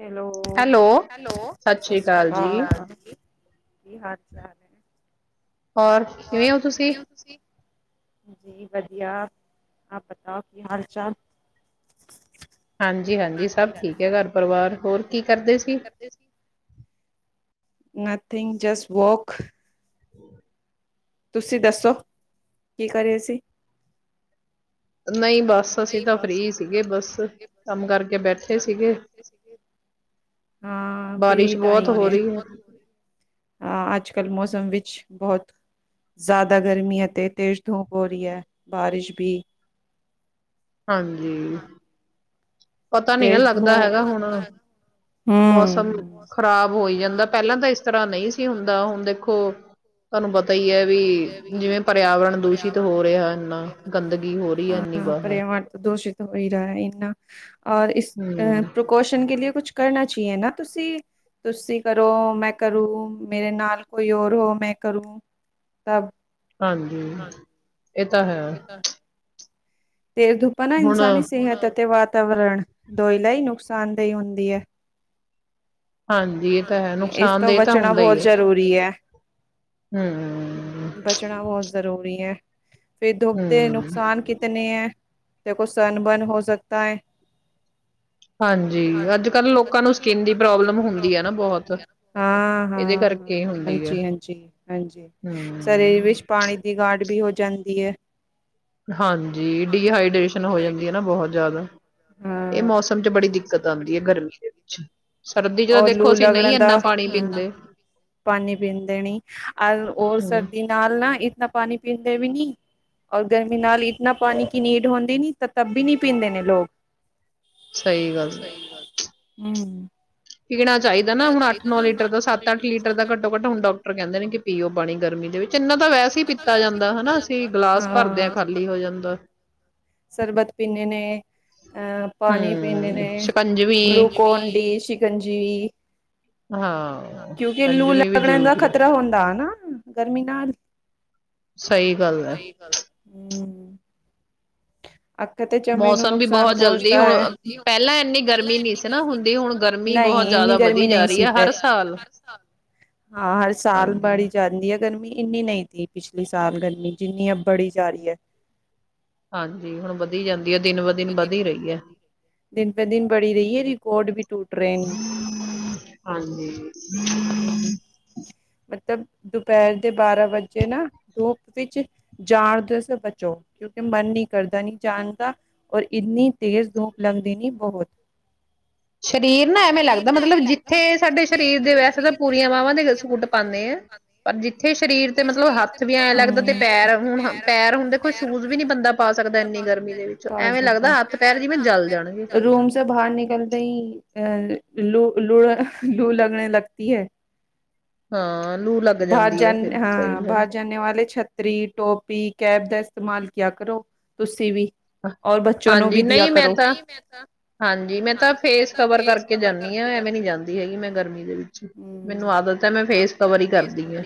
Hello, hello, hello ਸਤਿ ਸ੍ਰੀ ਸਤ ਸ਼੍ਰੀ ਅਕਾਲ ਜੀ, ਕਾਲ ਜੀ। ਕੀ ਹਾਲ ਚਾਲ ਹੈ? ਹੋਰ ਕਿਵੇਂ ਔ ਤੁਸੀਂ? ਜੀ ਵਧੀਆ। ਆਪ ਬਤਾਓ ਕੀ ਹਾਲ ਚਾਲ? ਹਾਂਜੀ ਹਾਂਜੀ, ਸਭ ਠੀਕ ਹੈ ਘਰ ਪਰਿਵਾਰ, ਹੋਰ ਕੀ ਕਰਦੇ ਸੀ? Nothing just walk. [inaudible] ਤੁਸੀਂ ਦੱਸੋ, ਕੀ ਕਰ ਰੇ ਸੀ? ਨਹੀਂ ਬਸ ਅਸੀਂ ਨਹੀਂ ਤਾਂ ਬਸ ਫ੍ਰਰੀ ਅਸੀ ਤਾਂ ਸੀਗੇ ਫ੍ਰੀ ਬਸ। ਸੀਗੇ, ਬਸ ਕੰਮ ਕਰਕੇ ਕਮ ਬੈਠੇ ਕਰਕੇ ਸੀਗੇ, ਬੈਠੇ ਸੀਗੇ, ਹਾਂ ਫ੍ਰੀ ਬਾਰਿਸ਼ ਟਾਇਮ ਬਹੁਤ ਏ, ਹੋ ਬਾਰਿਸ਼ ਰਹੀ ਹੈ, ਬੌਤ ਹੋ ਰੀ ਏ, ਹਾਂ, ਅੱਜ-ਕਲ ਮੌਸਮ ਵਿਚ ਬਹੌਤ ਜੈਦਾ ਗਰਮੀ ਹੈ ਤੇ ਤੇਜ਼ ਧੂੰਪ ਹੋ ਰੀ ਹੈ ਬਾਰਿਸ਼ ਭੀ। ਹਾਂਜੀ। ਪਤਾ ਨ੍ਹੀਂ ਨਾ ਤੇਜ਼ ਲੱਗਦਾ ਧੂਪ ਹੈਗਾ ਹੁਣ, ਹਮ ਮੌਸਮ ਜਿਵੇਂ ਖ਼ਰਾਬ ਹੋ ਈ ਜਾਂਦਾ ਪੈਲਾਂ ਤਾਂ ਇਸ ਤਰ੍ਹਾਂ ਨਹੀਂ ਸੀ ਹੁੰਦਾ। ਹੁਣ, ਦੇਖੋ ਤੁਵਾਨੂੰ ਪਤ ਤਈ ਹੈ ਵੀ ਜਿਵੇਂ ਪਰਿਆਵਰਨ ਦੂਸ਼ਿਤ ਹੋ ਰਿਹਾ ਇੰਨਾ ਗੰਦਗੀ ਹੋ ਰੀ ਐ ਇਨੀ ਬਾਹਰ। ਹੋ ਹੀ ਰਾ ਐ ਇੰਨਾ। ਔਰ ਇਸ ਹੂੰ, ਅ ਪ੍ਰਕੋਸ਼ਨ ਕੇ ਲਿਏ ਕੁਛ ਕਰਨਾ ਚਾਹੀਏ ਨਾ ਤੁਸੀਂ, ਤੁਸੀਂ ਕਰੋ ਮੈਂ ਕਰੂ ਮੇਰੇ ਨਾਲ ਕੋਈ ਹੋਰ ਹੋ ਮੈਂ ਕਰੂੰ। ਤਬ। ਹਾਂਜੀ। ਏ ਤਾਂ ਹੈ। ਤੇਜ ਧੁਪਾ ਨਾ ਇਨਸਾਨੀ ਹੁਣ ਸਿਹਤ ਅਤੇ ਵਾਤ ਵਾਤਾਵਰਨ ਦੋਇਲਾਈ ਨੁਕਸਾਨ ਦੇਈ ਹੁੰਦੀ ਐ। ਹਾਂਜੀ, ਇਹ ਤਾਂ ਹੈ ਹਾਂਜੀ ਇਸ ਤੋਂ ਨੁਕਸਾਨਦੇਹ ਤਾਂ ਬਚਣਾ ਹੁੰਦਾ ਬਹੁਤ ਹੀ ਹੈ। ਜ਼ਰੂਰੀ ਹੈ, ਹੂੰ, ਬਚਣਾ ਬਹੁਤ ਜ਼ਰੂਰੀ ਹੈ। ਫੇਰ ਦੁੱਧ ਦੇ ਹੂੰ, ਨੁਕਸਾਨ ਕਿਤਨੇ ਹੈ, ਦੇਖੋ ਸਨ ਬਰਨ ਹੋ ਸਕਦਾ ਹੈ। ਹਾਂਜੀ ਅੱਜ ਕੱਲ੍ਹ ਲੋਕਾਂ ਨੂੰ ਸਕਿੰਨ ਦੀ ਪ੍ਰੋਬਲਮ ਹੁੰ ਹਾਂ ਹਾਂ ਕਰਕੇ ਹੁੰਦੀ ਹੈ। ਹਾਂਜੀ ਹਾਂਜੀ ਹਾਂਜੀ ਸਰੀਰ ਹੂੰ, ਵਿੱਚ ਪਾਣੀ ਦੀ ਗਾਡ ਵੀ ਹੋ ਜਾਂਦੀ ਹੈ। ਹਾਂਜੀ ਡੀਹਾਈਡ੍ਰੇਸ਼ਨ ਹੋ ਜਾਂਦੀ ਹੈ ਨਾ ਬਹੁਤ ਜ਼ਿਆਦਾ ਬਹੁਤ ਜ਼ਿਆਦਾ। ਇਹ ਹਾਂ ਮੌਸਮ ਚ ਬੜੀ ਦਿੱਕਤ ਆਂਦੀ ਐ ਗਰਮੀ ਦੇ ਅੱਛਾ। ਔਰ ਲੂ ਲਗਣਾ ਦਾ, ਪੀਂਦੇ ਪਾਣੀ ਪੀਂਦੇ ਨਈ। ਅਰ ਔਰ ਹੂੰ, ਸਰਦੀ ਨਾਲ ਨਾ ਇ ਨਾ ਪਾਣੀ ਪੀਂਦੇ ਵੀ ਨੀ, ਔਰ ਗਰਮੀ ਨਾਲ ਇਤਨਾ ਪਾਣੀ ਕੀ ਨੀਡ ਹੁੰਦੀ ਨੀ, ਤਾਂ ਤਬ ਵੀ ਨੀ ਪੀਂਦੇ ਨੇ ਲੋਕ। ਸਈ ਗੱਲ ਐ। ਹੂੰ ਹੂੰ। ਪੀਣਾ ਚਾਹੀਦਾ ਨਾ, ਹੁਣ ਅੱਠ ਨੌ ਲੀਟਰ ਦਾ, ਸੱਤ ਅੱਠ ਲੀਟਰ ਦਾ ਘੱਟੋ ਘੱਟ ਹੁਣ ਡਾਕਟਰ ਕਹਿੰਦੇ ਨੇ ਪੀਓ ਪਾਣੀ। ਗਰਮੀ ਦੇ ਵਿੱਚ ਤਿਨ ਤਾਂ ਵੈਸ ਈ ਪੀਤਾ ਜਾਂਦਾ, ਹਨਾ ਅਸੀਂ ਗਲਾਸ ਭਰਦੇ ਆਂ ਖਾਲੀ ਹੋ ਜਾਂਦਾ। ਸਰਬਤ ਪੀਨੇ ਨੇ ਅਹ ਪਾਣੀ ਪੀਂਦੇ ਹਮ ਨੇ, ਸ਼ਿਕੰਜਵੀ ਗਲੂਕੋਨ ਡੀ, ਸ਼ਿਕੰਜੀਵੀ, ਹਾਂ ਕਿਉਂਕਿ ਲੂ ਸ਼ਿਕੰਜਵੀ ਵੀ ਲਗਣੇ ਦਾ ਜ਼ਰੂਰੀ ਹੈ ਖ਼ਤਰਾ ਹੁੰਦਾ ਹਨਾ ਗਰਮੀ ਨਾਲ। ਸਹੀ ਗੱਲ ਹੈ ਹੂੰ। ਹੂੰ। ਅੱਖ ਤੇ ਚਮੜੀ ਨੂੰ ਮੌਸਮ ਵੀ ਨੁਕਸਾਨ ਬਹੁਤ ਜਲਦੀ ਪਹੁੰਚਦਾ ਹੈ। ਹੁਣ ਪਹਿਲਾਂ ਇੰਨੀ ਗਰਮੀ ਨਈ, ਨਹੀਂ ਇਨੀ ਸੀ ਨਾ ਹੁੰਦੀ ਹੁਣ ਗਰਮੀ ਬਹੁਤ ਜ਼ਿਆਦਾ ਵਧੀ ਗਰਮੀ ਜਾ ਨਈ ਰਹੀ ਸੀ ਹੈ ਹਰ ਪਹਿਲਾਂ। ਸਾਲ ਹਾਂ ਹਰ ਸਾਲ ਬੜ ਹਾਂਜੀ ਈ ਜਾਂਦੀ ਆ ਗਰਮੀ ਇੰਨੀ ਨਹੀਂ ਥੀ ਪਿਛਲੀ ਸਾਲ ਗਰਮੀ ਜਿੰਨੀ ਅਬ ਬੜੀ ਜਾ ਰਈ ਐ। ਹਾਂਜੀ, ਹੁਣ ਵਧੀ ਜਾਂਦੀ ਆ, ਦਿਨ ਬ ਦਿਨ ਵਧ ਈ ਰਹੀ ਆ। ਦਿਨ ਪੇ ਦਿਨ ਬੜੀ ਰਹੀ ਹੈ ਰਿਕਾਰਡ ਵੀ ਟੂਟ ਰਹੇ ਹਾਂਜੀ। ਨੇ ਮਤਲਬ ਦੁਪਹਿਰ ਦੇ ਬਾਰਾਂ ਵਜੇ ਨਾ ਧੂਪ ਵਿੱਚ ਜਾਣ ਤੋ ਸ ਬਚੋ। ਮਨ ਨਈ ਕਰਦਾ ਨੀ ਜਾਨਦਾ, ਔਰ ਇਤਨੀ ਤੇਜ਼ ਧੂੰਪ ਲੰਗਦੀ ਨੀ ਬਹੁਤ। ਸਰੀਰ ਨਾ ਐਵੇਂ ਲੱਗਦਾ ਮਤਲਬ ਜਿੱਥੇ ਸਾਡੇ ਸਰੀਰ ਦੇ ਵੈਸੇ ਤਾਂ ਪੂਰੀਆਂ ਬਾਹਵਾਂ ਦੇ ਸੂਟ ਪਾਨੇਂ ਆਂ, ਪਰ ਜਿੱਥੇ ਸਰੀਰ ਤੇ ਮਤਲਬ ਹੱਥ ਵੀ ਐਵੇਂ ਲੱਗਦਾ ਤੇ ਪੈਰ ਹੁਣ, ਪੈਰ ਹੁਣ ਦੇਖੋ ਸ਼ੂਜ਼ ਵੀ ਨੀ ਬੰਦਾ ਪਾ ਸਕਦਾ, ਇੰਨੀ ਗਰਮੀ ਦੇ ਵਿੱਚ। ਪਾ ਐਵੇਂ ਸਕਦਾ ਲੱਗਦਾ ਹੱਥ ਪੈਰ ਜਿਵੇਂ ਜਲ ਜਾਣਗੇ। ਦਈ ਅ ਲੂ ਲੂਣਾ, ਲੂ ਲਗਣੇ ਲਗਤੀ ਹੈ। ਹਾਂ ਲੂ ਲੱਗ ਬਾਹਰ ਜਾਂਦੀ ਹੈ ਜਾਨ, ਫਿਰ ਸਹੀ ਹਾਂ ਗੱਲ ਬਾਹਰ ਜਾਨੇ ਵਾਲੇ ਛਤਰੀ, ਟੋਪ ਵੀ ਕੈਪ ਦਾ ਇਸਤੇਮਾਲ ਕੀਆ ਕਰੋ, ਤੁਸੀਂ ਵੀ। ਔਰ ਬਚੋ ਨੋ ਹਾਂਜੀ ਵੀ ਦੀਆਂ ਨਹੀਂ ਮੈਂ ਕਰੋ। ਤਾਂ ਹਾਂਜੀ ਮੈਂ ਤਾਂ ਫੇਸ ਕਵਰ ਕਰਕੇ ਜਾਂਦੀ ਹਾਂ ਐਵੇਂ ਨੀ ਜਾਂਦੀ ਹੈਗੀ ਮੈਂ ਗਰਮੀ ਦੇ ਵਿੱਚ। ਮੈਨੂੰ ਆਦਤ ਹੈ ਮੈਂ ਫੇਸ ਕਵਰ ਹੀ ਕਰਦੀ ਹਾਂ।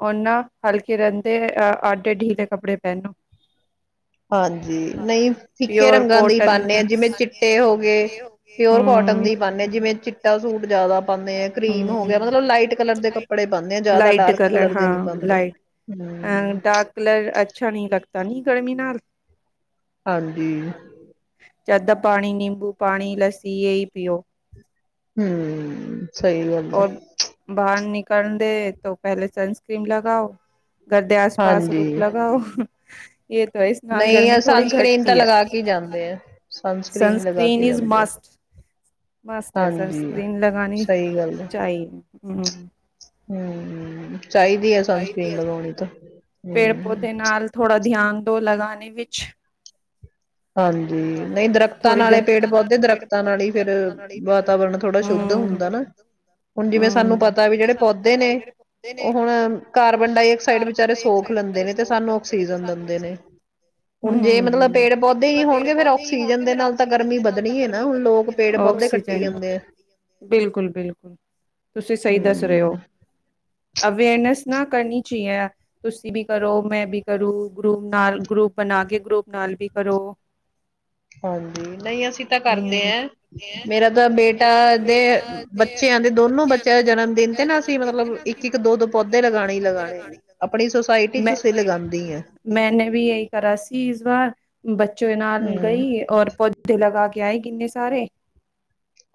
ਓ ਨਾ ਹਲਕੇ ਰਹਿਦੇ ਏ ਆ ਆਟੇ ਢੀਲੇ ਕੱਪੜੇ ਪਹਿਨੋ। ਹਾਂਜੀ, ਨਈਂ ਫਿੱਕੇ ਪਿਓਰ ਰੰਗਾਂ ਦੀ ਕੋਟਨ ਪਾਨੇ ਆਂ, ਜਿਵੇਂ ਚਿੱਟੇ ਹੋਗੇ, ਪਿਓਰ ਕੋਟਨ ਦੀ ਪਾਨੇ, ਜਿਵੇਂ ਚਿੱਟਾ ਸੂਟ ਜਿਆਦਾ ਪਾਨੇ ਆਂ, ਕਰੀਮ ਹੋ ਗਿਆ, ਮਤਲਬ ਲਾਈਟ ਕਲਰ ਦੇ ਕੱਪੜੇ ਪਾਨੇ ਆ ਜ਼ਿਆਦਾ ਲਾਈਟ ਡਾਰਕ ਕਲਰ ਦੇ ਨੀ ਹਾਂ ਪਾਂਦੇ, ਲਾਈਟ ਅ ਹੂੰ। ਲਗਤਾ ਤਾਂ ਨਹੀਂ ਗਰਮੀ ਨਾਲ ਹਾਂਜੀ। ਜਾਦਾ ਪਾਣੀ, ਨਿੰਬੂ ਪਾਣੀ, ਲੱਸੀ ਇਹੀ ਪੀਓ। ਹੂੰ। ਔਰ ਬਾਹਰ ਨਿਕ ਲਦੇ ਤੋਂ ਪਹਿਲੇ ਸਨਸਕ੍ਰੀਨ ਲਗਾਓ ਘਰਦੇ ਆਸ ਪਾਸ ਰੁੱਖ ਹਾਂਜੀ ਲਗਾਓ। ਇਹ ਤਾਂ ਇਸ ਨਾਲ ਨਹੀਂ ਗਰਮੀ ਆ ਥੋੜੀ ਸਨਸਕਰੀਨ ਤਾਂ ਘਟਤੀ ਹੈ। ਲਗਾ ਕੇ ਜਾਂਦੇ ਆ ਸਨ ਸਕਕ੍ਰਰੀਨ ਲਗਾ ਕੇ ਜਾਂਦੇ ਆ। ਮਸਟ ਹੈ ਹਾਂਜੀ ਸਸਕ੍ਰੀਨ ਲਗਾਨੀ ਸਹੀ ਗੱਲ ਹੈ ਚਾਹੀਏ। ਹੂੰ ਹੂੰ ਚਾਹੀਦੀ ਹੈ ਸਨਸਕ੍ਰਰੀਨ ਲਗਾਉਣੀ ਤਾਂ ਹੂੰ ਤੋਂ ਲਗਾਣੇ ਵਿੱਚ ਹਾਂਜੀ ਨਹੀਂ ਦਰਖਤਾਂ ਥੋੜੀ ਗ ਨਾਲੇ ਪੇੜ ਪੌਦੇ ਦਰਖਤਾਂ ਨਾਲ ਹੀ ਫੇਰ ਵਾਤਾਵਰਨ ਥੋੜ੍ਹਾ ਸ਼ੁੱਧ ਹੁੰਦਾ ਨਾ ਹੁਣ ਜਿਵੇਂ ਸਾਨੂੰ ਹਮ ਪਤਾ ਵੀ ਜਿਹੜੇ ਪੌਦੇ ਨੇ ਉਹ ਹੁਣ ਕਾਰਬਨ ਡਾਇਆਕਸਾਈਡ ਵਿਚਾਰੇ ਸੋਖ ਲੈਂਦੇ ਨੇ ਤੇ ਸਾਨੂੰ ਆਕਸੀਜਨ ਦਿੰਦੇ ਨੇ। ਹੁਣ ਜੇ ਮਤਲਬ ਪੇੜ ਪੌਦੇ ਹੀ ਹੋਣਗੇ ਫਿਰ ਦੇ ਆਕਸੀਜਨ ਨਾਲ ਤਾਂ ਗਰਮੀ ਵਧਣੀ ਹੈ ਨਾ ਹੁਣ ਲੋਕ ਪੇੜ ਪੌਦੇ ਕੱਟੀ ਜਾਂਦੇ ਆ ਬਿਲਕੁਲ ਬਿਲਕੁਲ ਤੁਸੀਂ ਸਹੀ ਦੱਸ ਰਹੇ ਹਮ ਹੋ। ਅਵੇਅਰਨੈਸ ਨਾ ਕਰਨੀ ਚਾਹੀਏ ਤੁਸੀਂ ਵੀ ਕਰੋ ਮੈਂ ਵੀ ਕਰੂੰ ਗਰੁੱਪ ਨਾਲ ਗਰੁੱਪ ਬਣਾ ਕੇ ਗਰੁੱਪ ਨਾਲ ਵੀ ਕਰੋ। ਹਾਂਜੀ ਨਹੀਂ ਅਸੀਂ ਤਾਂ ਕਰਦੇ ਹੈ ਮੇਰਾ ਤਾਂ ਬੇਟਾ ਦੇ ਬੱਚਿਆਂ ਦੇ ਦੋਨੋ ਬੱਚਿਆਂ ਦੇ ਜਨਮ ਦਿਨ ਤੇ ਨਾ ਅਸੀਂ ਮਤਲਬ ਇੱਕ ਇੱਕ ਦੋ ਦੋ ਪੌਦੇ ਲਗਾਣੇ ਲਗਾਣੇ ਆਪਣੀ ਸੁਸਾਇਟੀ ਚ ਅਸੀਂ ਲਗਾਉਂਦੀ ਹਾ। ਹੋ ਮੈਨੇ ਵੀ ਇਹੀ ਕਰਾ ਸੀ ਇਸ ਬਾਰ ਬੱਚੇ ਨਾਲ ਗਈ ਔਰ ਪੌਦੇੇ ਲਗਾ ਕੇ ਗਿਆਏ ਕਿੰਨੇ ਸਾਰੇ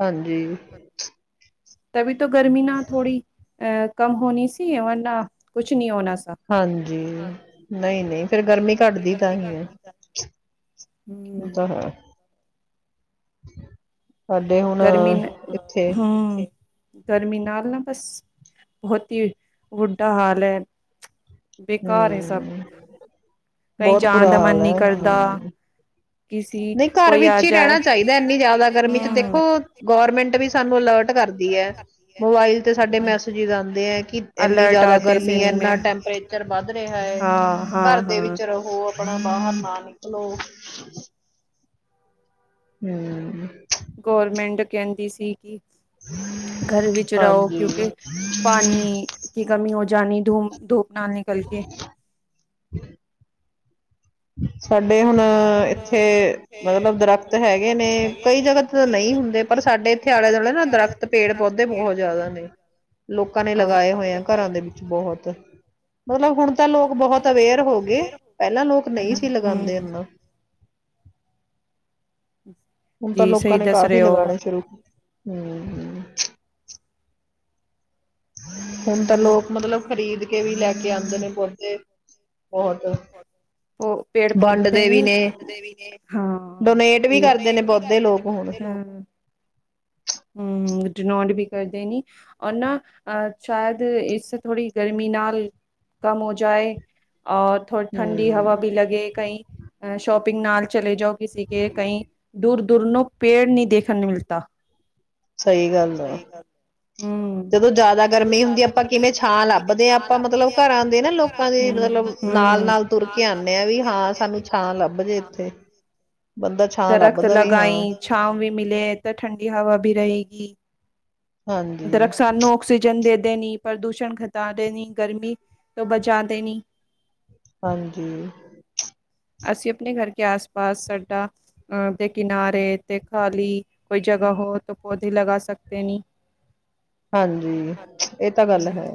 ਹਾਂਜੀ ਤਭੀ ਤੋਂ ਗਰਮੀ ਨਾ ਥੋੜੀ ਅ ਕਮ ਹੋਣੀ ਸੀ ਰ ਨਾ ਕੁਛ ਨਹੀਂ ਹੋਣਾ। ਸ ਹਾਂਜੀ ਨਹੀਂ ਨਹੀਂ ਫੇਰ ਗਰਮੀ ਘੱਟਦੀ ਤਾਂ ਹੀ ਹੈ ਹਮ ਤਾਂ ਹਾਂ [unintelligible] ਸਾਡੇ ਹੁਣ ਗਰਮੀ ਇੱਥੇ ਹਮ ਗਰਮੀ ਨਾਲ ਨਾ ਬਸ ਬਹੁਤ ਹੀ ਵੁਡਾ ਹਾਲ ਐ। ਬੇਕਾਰ ਹੈ ਸਭ ਹਮ ਕਈ ਬਹੁਤ ਜਾਣ ਬੁਰਾ ਦਾ ਮਨ ਹਾਲ ਨੀ ਹੈ ਕਰਦਾ। ਹਮ ਕਿਸੀ ਨਹੀਂ ਘਰ ਕੋਈ ਆ ਵਿੱਚ ਹੀ ਜਾਏ ਰਹਿਣਾ ਚਾਹੀਦਾ ਇੰਨੀ ਜ਼ਿਆਦਾ ਗਰਮੀ ਦੇਖੋ ਗੌਰਮੈਂਟ ਵੀ ਸਾਨੂੰ ਅਲਰਟ ਕਰਦੀ ਹੈ ਮੋਬਾਇਲ ਤੇ ਸਾਡੇ ਮੈਸਜ ਆਦੇ ਹੈ ਕਿ ਇੰਨੀ ਅਲਰਟ ਜ਼ਿਆਦਾ ਆਤੇ ਸੇ ਗਰਮੀ ਹੈ ਨੀ ਮੈਂ ਇੰਨਾ ਟੈਂਪਰੇਚਰ ਵੱਧ ਰਿਹਾ ਹਾਂ ਘਰ ਹਾਂ ਦੇ ਹਾਂ ਵਿੱਚ ਰਹੋ ਆਪਣਾ ਬਾਹਰ ਨਾ ਨਿਕਲੋ ਹੂੰ ਗੌਰਮੈਂਟ ਕਹਿੰਦੀ ਸੀ ਕਿ ਘਰ ਵਿੱਚ ਰਹੋ ਹਾਂਜੀ ਕਿਉਂਕਿ ਪਾਣੀ ਦੀ ਕਮੀ ਹੋ ਜਾਣੀ ਧੂਮ ਧੁੱਪ ਨਾ ਨਿਕਲ ਕੇ ਸਾਡੇ ਹੁਣ ਇੱਥੇ ਮਤਲਬ ਦਰਖਤ ਹੈਗੇ ਨੇ ਕਈ ਜਗ੍ਹਾ ਤੇ ਤਾਂ ਨਹੀਂ ਹੁੰਦੇ ਪਰ ਸਾਡੇ ਇੱਥੇ ਆਲੇ ਦੁਆਲੇ ਨਾ ਦਰਖਤ ਪੇੜ ਪੌਦੇ ਬਹੁਤ ਜ਼ਿਆਦਾ ਨੇ ਲੋਕਾਂ ਨੇ ਲਗਾਏ ਹੋਏ ਆ ਘਰਾਂ ਦੇ ਵਿੱਚ ਬਹੁਤ। ਮਤਲਬ ਹੁਣ ਤਾਂ ਲੋਕ ਬਹੁਤ ਅਵੇਅਰ ਹੋ ਗਏ ਪਹਿਲਾਂ ਲੋਕ ਨਹੀਂ ਸੀ। ਲਗਾਉਂਦੇ ਲਗਾਉਣੇ ਚਾਹੀਦੇ, ਲੋਕਾਂ ਨੇ ਪੇੜ ਹਨ ਕਾਫੀ ਨਾ। ਹੁਣ ਲਗਾਏ ਤਾਂ ਜੀ ਲੋਕਾਂ ਸਹੀ ਨੇ ਦੱਸ ਕਾਫੀ ਰਹੇ ਹੋ ਲਗਾਣੇ ਸ਼ੁਰੂ ਹੂ ਹੂ ਹੁਣ ਤਾਂ ਲੋਕ ਮਤਲਬ ਖਰੀਦ ਕੇ ਵੀ ਲੈ ਅਗੇ ਆਉਂਦੇ ਨੇ ਪੌਦੇ ਬਹੁਤ ਪੇੜ ਪੌਦੇ ਵੰਡਦੇ ਵੀ ਨਹੀ, ਨੇ ਵੰਡਦੇ ਵੀ ਨੇ, ਹਾਂ ਡੋਨੇਟ ਵੀ ਕਰਦੇ ਡੋਰਨੇਨ ਨੇ ਵੀ ਪੌਦੇ ਕਰਦੇ ਨੇ ਲੋਕ ਹੁਣ ਬਹੁਤੇ ਲੋਕ ਹੂ ਡਨੋਡ ਵੀ ਕਰਦੇ ਨੀ। ਔਰ ਨਾ, ਅਹ ਸ਼ਾਇਦ ਇਸ ਥੋੜ੍ਹੀ ਗਰਮੀ ਨਾਲ ਕੰਮ ਹੋ ਜਾਏ। ਥੋੜਾ ਠੰਡ ਕਿ ਹਵਾ ਹਮ ਵੀ ਲੱਗੇ ਕਈ ਸ਼ੋਪਿੰਗ ਨਾਲ ਚਲੇ ਜਾਓ। ਕਿਸੀ ਕੇ ਕਹੀ ਦੂਰ ਦੁਰਨੋਂ ਪੇੜ ਨਹੀਂ ਦੇਖਣ ਨੂੰ ਮਿਲਦਾ ਸਹੀ ਗੱਲ ਹੈ। ਹੂੰ। ਜਦੋਂ ਜ਼ਿਆਦਾ ਗਰਮੀ ਹੁੰਦੀ। ਆਪਾਂ ਕਿਵੇਂ ਛਾਂ ਲੱਭਦੇ ਹਾਂ, ਆਪਾਂ ਮਤਲਬ ਘਰਾਂ ਦੇ ਨਾ ਲੋਕਾਂ ਦੇ ਮਤਲਬ ਨਾਲ ਨਾਲ ਤੁਰ ਕੇ ਨਾਲ ਨਾਲ ਆਉਂਦੇ ਤੁਰ ਹਾਂ ਵੀ ਕੇ ਹਾਂ ਆਂਦੇ ਸਾਨੂੰ ਹਾਂ। ਛਾਂ ਲੱਭ ਜੇ ਇੱਥੇ ਬੰਦਾ ਛਾਂ ਦਰਖਤ ਲੱਭਦਾ ਵੀ ਹਾਂ ਲਗਾਈ, ਛਾਂ ਵੀ ਮਿਲੇ, ਠੰਡੀ ਹਵਾ ਵੀ ਰਹੇਗੀ। ਹਾਂਜੀ ਦਰਖਤ ਸਾਨੂੰ ਆਕਸੀਜਨ ਦੇਂਦੇ ਦੇਣੀ ਪ੍ਰਦੂਸ਼ਣ ਘਟਾ ਦੇਣੀ, ਗਰਮੀ ਤੋਂ ਬਚਾ ਦੇਣੀ। ਹਾਂਜੀ। ਅਸੀਂ ਆਪਣੇ ਘਰ ਕੇ ਆਸ ਪਾਸ ਸੜਕਾਂ ਦੇ ਕਿਨਾਰੇ ਤੇ ਖਾਲੀ ਕੋਈ ਜਗ੍ਹਾ ਹੋ ਤਾਂ ਪੌਦੇੇ ਲਗਾ ਸਕਦੇ ਨੀ। ਹਾਂਜੀ। ਇਹ ਤਾਂ ਗੱਲ ਹੈ। ਹੂੰ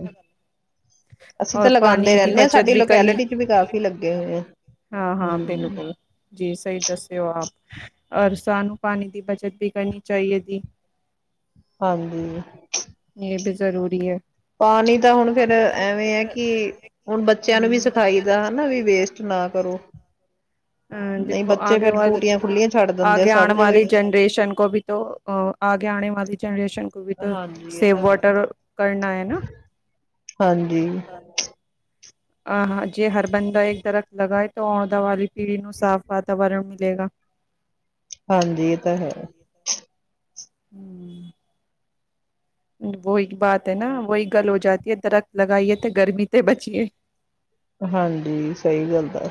ਅਸੀਂ ਤਾਂ ਲਗਾਉਂਦੇ ਰਹਿੰਦੇ ਹਾਂ ਸਾਡੀ ਲੋੈਕੇਲਟੀ ਚ ਵੀ। ਕਾਫ਼ੀ ਲੱਗੇ ਹੋਏ ਆ। ਹਾਂ -ਹਾਂ, ਹਮ, ਬਿਲਕੁਲ ਜੀ ਸਹੀ ਦੱਸਿਓ ਆਪ। ਔਰ ਸਾਨੂੰ ਪਾਣੀ ਦੀ ਬੱਚਤ ਵੀ ਕਰਨੀ ਚਾਹੀਦੀ। ਹਾਂਜੀ। ਇਹ ਵੀ ਜ਼ਰੂਰੀ ਹੈ। ਪਾਣੀ ਤਾਂ ਹੁਣ ਫੇਰ ਐਵੇਂ ਹੈ। ਕਿ ਹੁਣ ਬੱਚਿਆਂ ਨੂੰ ਹੂੰ ਵੀ ਸਿਖਾਈ ਹੈਨਾ ਵੀ ਵੇਸਟ ਨਾ ਕਰੋ। ਅਹ ਨਹੀਂ ਦੇਖੋ ਆ ਬੱਚੇ ਫੇਰ ਟੂਟੀਆਂ ਖੁੱਲੀਆਂ ਛੱਡ ਦਿੰਦੇ ਆ ਆਗੇ ਸਭ ਆਉਣ ਜਗ੍ਹਾ ਵਾਲੀ ਹੀ। ਜਨਰੇਸ਼ਨ ਕੋ ਵੀ ਆਗੇ ਆਣੇ ਵਾਲੀ ਜਨਰੇਸ਼ਨ ਕੋ ਵੀ ਹਾਂਜੀ, ਇਹ ਸੇਵ ਤਾਂ ਹੈ। ਵਾਟਰ ਕਰਨਾ ਹੈ ਨਾ। ਹਾਂਜੀ, ਆਹ ਹਾਂ ਜੇ ਹਰ ਬੰਦਾ ਇੱਕ ਦਰਖਤ ਲਗਾਏ। ਤਾਂ ਅਹੁਦਾ ਵਾਲੀ ਪੀੜੀ ਨੂੰ ਸਾਫ਼ ਵਾਤਾਵਰਨ ਮਿਲੇਗਾ। ਹਾਂਜੀ ਇਹ ਤਾਂ ਹੈ। ਹੂ ਵਹੀ ਬਾਤ ਹੈ ਨਾ ਵਹੀ ਗਲ ਹੋ ਜਾਤੀ ਹੈ ਦਰਖਤ ਲਗਾਈਏ ਤੇ ਗਰਮੀ ਤੇ ਬਚੀਏ ਹਾਂਜੀ ਸਹੀ ਗੱਲ ਆ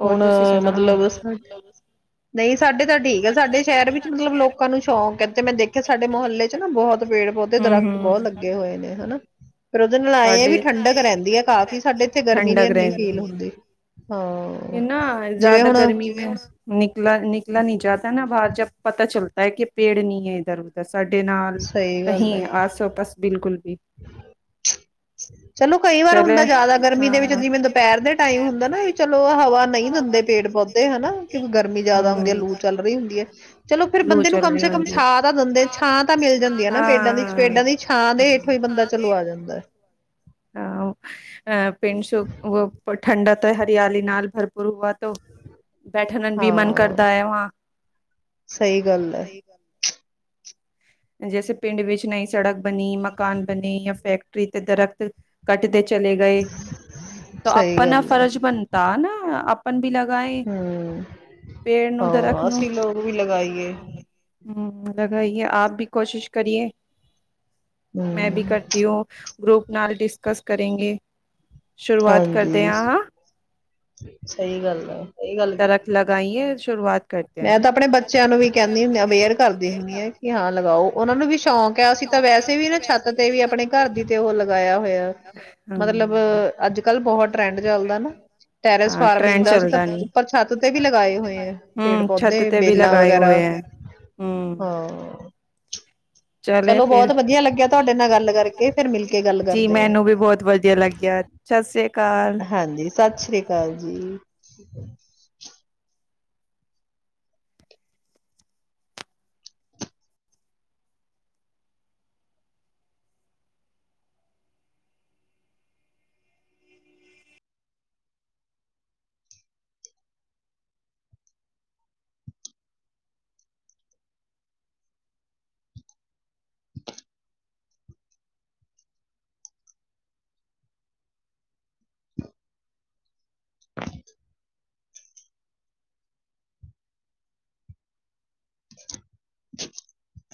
ਹੋਰ ਹੁਣ ਤੁਸੀਂ ਸੁਣਾਓ ਮਤਲਬ ਨਹੀਂ ਸਾਡੇ ਤਾਂ ਠੀਕ ਹੈ ਸਾਡੇ ਸ਼ਹਿਰ ਵਿੱਚ ਮਤਲਬ ਲੋਕਾਂ ਨੂੰ ਸ਼ੌਂਕ ਹੈ ਤੇ ਮੈਂ ਦੇਖਿਆ ਸਾਡੇ ਮੁਹੱਲੇ ਚ ਨਾ ਬਹੁਤ ਪੇੜ ਪੌਦੇ ਹਮ ਦਰਖਤ ਬਹੁਤ ਹਮ ਲੱਗੇ ਹੋਏ ਨੇ ਹਨਾ ਫੇਿਰ ਉਹਦੇ ਨਾਲ ਆਏ ਆ ਵੀ ਠੰਡਕ ਰਹਿੰਦੀ ਆ ਕਾਫ਼ੀ ਸਾਡੇ ਇੱਥੇ ਗਰਮੀ ਨੀ ਇਨੀ ਫੀਲ ਹੁੰਦੀ ਹਾਂ ਨਾ ਜਿਵੇਂ ਜ਼ਿਆਦਾ ਹੁਣ ਗਰਮੀ ਮੈਂ ਨਿਕਲਾ ਨਿਕਲਾ ਨਹੀਂ ਜਾਤਾ ਨਾ ਬਾਹਰ ਜਬ ਪਤਾ ਚੱਲਤਾ ਹੈ ਕਿ ਪੇੜ ਨਹੀਂ ਹੈ ਇੱਧਰ ਉੱਧਰ ਸਾਡੇ ਨਾਲ ਸਹੀ ਗੱਲ ਹੈ। ਕਹੀਂ ਆਸ ਪਾਸ ਬਿਲਕੁਲ [inaudible] ਚਲੋ ਕਈ ਵਾਰ ਹੁੰਦਾ ਜਿਆਦਾ ਗਰਮੀ ਦੇ ਹਾਂ ਵਿੱਚ ਜਿਵੇਂ ਦੁਪਹਿਰ ਦੇ ਟਾਈਮ ਹੁੰਦਾ ਨਾ ਵੀ ਚਲੋ ਹਵਾ ਨਹੀਂ ਦਿੰਦੇ ਪੇੜ ਪੌਦੇ ਹਨਾ ਕਿਉਂਕਿ ਗਰਮੀ ਜਿਆਦਾ ਹਨਾ ਹੁੰਦੀ ਹੈ ਹੂੰ ਲੂ ਚੱਲ ਰਹੀ ਹੁੰਦੀ ਹੈ ਚਲੋ ਫਿਰ ਹੈ ਲੂ ਬੰਦੇ ਨੂੰ ਚੱਲ ਕਮ ਰਹੀ ਸੇ ਕਮ ਹੁੰਦੀ ਹੈ ਛਾਂ ਤਾਂ ਦਿੰਦੇ ਛਾਂ ਤਾਂ ਮਿਲ ਜਾਂਦੀ ਹੈ ਨਾ ਪੇਡਾਂ ਦੀ ਪੇਡਾਂ ਦੀ ਹਾਂ ਛਾਂ ਦੇ ਹੇਠ ਹੀ ਬੰਦਾ ਚਲੋ ਆ ਜਾਂਦਾ ਹਾਂ ਅ ਪਿੰਨ ਸੋ [unintelligible] ਠੰਡਾ ਤਾਂ ਹਰਿਆਲੀ ਨਾਲ ਭਰਪੂਰ ਹੂਆ ਤੋ ਬੈਠਣਨ ਵੀ ਮਨ ਹਾਂ ਕਰਦਾ ਹੈ ਵਾਂ ਸਹੀ ਗੱਲ ਹੈ ਸਹੀ ਗੱਲ ਜੇਸੇ ਪਿੰਡ ਵਿੱਚ ਨਹੀਂ ਸੜਕ ਬਣੀ ਮਕਾਨ ਬਣੇ ਯਾਂ ਫੈਕਟਰੀ ਤੇ ਦਰਖਤ ਕੱਟਦੇ ਚਲੇ ਗਏ ਤੋ ਸਹੀ ਆਪਣਾ ਗੱਲ ਹੈ ਫਰਜ਼ ਬਣਤਾ ਨਾ ਅਪ ਲੱ [unintelligible] ਹਮ ਦਰਖਤ ਹਾਂ ਅੱਸੀ ਲੋਕ ਵੀ ਲਗਾਈਏ ਹਮ ਲਗਾਈਏ ਆਪ ਵੀ ਕੋਸ਼ਿਸ਼ ਕਰੀਏ ਮੈਂ ਵੀ ਹਮ ਕਰਤੀ ਹੂ ਗਰੁੱਪ ਨਾਲ ਡਿਸਕਸ ਕਰੇਂਗੇ ਸ਼ੁਰੂਆਤ ਕਰਦੇ ਹਾਂਜੀ ਹਾਂ। ਸਹੀ ਗੱਲ ਆ ਸਹੀ ਗੱਲ ਕੀਤੀ ਦਰਖ਼ਤ ਲਗਾਈਏ, ਸ਼ੁਰੂਆਤ ਕਰਤੇ ਹੈ। ਮੈਂ ਤਾਂ ਆਪਣੇ ਬੱਚਿਆਂ ਨੂੰ ਵੀ ਕਹਿੰਦੀ ਹੁੰ ਅਵੇਅਰ ਕਰਦੀ ਹੁੰਦੀ ਹਾਂ ਕਿ ਹਾਂ ਲਗਾਓ ਉਹਨਾ ਨੂੰ ਵੀ ਸ਼ੌਂਕ ਹੈ ਅਸੀਂ ਤਾਂ ਵੈਸੇ ਵੀ ਨਾ ਛੱਤ ਤੇ ਵੀ ਆਪਣੇ ਘਰ ਦੀ ਤੇ ਉਹ ਲਗਾਇਆ ਹੋਇਆ ਮਤਲਬ ਅੱਜ ਕੱਲ ਬਹੁਤ ਟਰੈਂਡ ਚੱਲਦਾ ਨਾ ਟੈਰਸ ਹਾਂ ਫਾਰਮਿੰਗ ਟ੍ਰੈਂਡ ਦਾ ਅਸੀਂ ਤਾਂ ਚੱਲਦਾ ਨੀ ਉੱਪਰ ਛੱਤ ਤੇ ਵੀ ਲਗਾਏ ਹੋਏ ਆ ਪੇੜ ਛੱਤ ਪੌਦੇ ਤੇ ਵੀ ਬੇਲਾਂ ਲਗਾਏ ਵਗੈਰਾ ਹੋਏ ਹੈ ਹਮ ਹਾਂ ਚਲੋ ਬਹੁਤ ਵਧੀਆ ਲੱਗਿਆ ਤੁਹਾਡੇ ਨਾ ਗੱਲ ਕਰਕੇ ਫਿਰ ਮਿਲਕੇ ਗੱਲ ਕਰਦੇ ਆ ਵੀ ਬਹੁਤ ਵਧੀਆ ਲੱਗਿਆ ਸਤਿ ਸ੍ਰੀ ਅਕਾਲ ਹਾਂਜੀ ਸਤਿ ਸ੍ਰੀ ਅਕਾਲ ਜੀ [inaudible] [inaudible] [unintelligible]